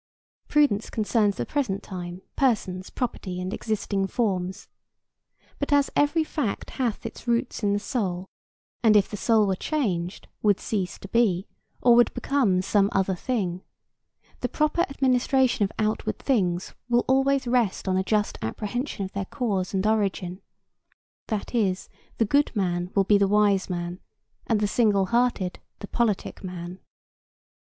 Prudence concerns the present time, persons, property and existing forms. But as every fact hath its roots in the soul, and if the soul were changed, would cease to be, or would become some other thing,—the proper administration of outward things will always rest on a just apprehension of their cause and origin; that is, the good man will be the wise man, and the single hearted the politic man.